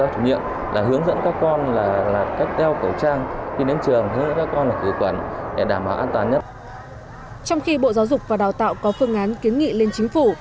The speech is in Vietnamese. trong khi bộ giáo dục và đào tạo có phương án kiến nghị lên chính phủ